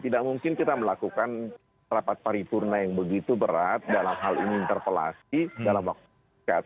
tidak mungkin kita melakukan rapat paripurna yang begitu berat dalam hal ini interpelasi dalam waktu dekat